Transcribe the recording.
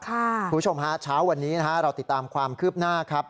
คุณผู้ชมฮะเช้าวันนี้เราติดตามความคืบหน้าครับ